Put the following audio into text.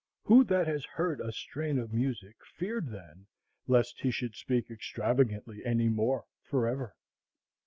Who that has heard a strain of music feared then lest he should speak extravagantly any more forever?